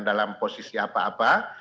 dalam posisi apa apa